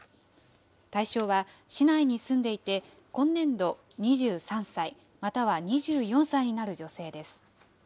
対象は、市内に住んでいて、今年度２３歳、または２４歳になる女性です。